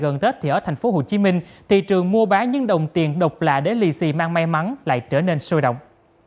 ở tp hcm thị trường mua bán những đồng tiền độc lạ để lì xì mang may mắn lại trở nên sôi động